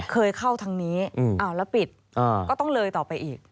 เคยเข้าทางนี้แล้วปิดก็ต้องเลยต่อไปอีก